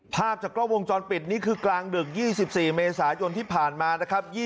ภาพจากกล้องวงจรปิดนี่คือกลางดึก๒๔เมษายนที่ผ่านมานะครับ